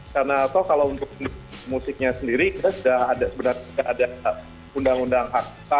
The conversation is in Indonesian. karena kalau untuk musiknya sendiri sudah ada sebenarnya tidak ada undang undang hakta